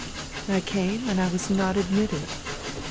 " I came, and I was not admitted.